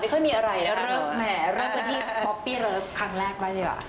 ไม่ค่อยมีอะไรเรื่องกันที่ป๊อปปี้เลิฟครั้งแรกบ้างดีกว่า